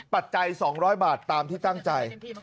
ปัจจัย๒๐๐บาทตามที่ตั้งใจ